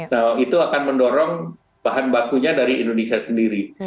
nah itu akan mendorong bahan bakunya dari indonesia sendiri